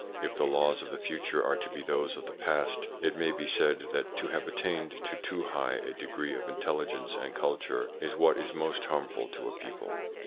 If the laws of the future are to be those of the past, it may be said that to have attained to too high a degree of intelligence and culture is what is most harmful to a people.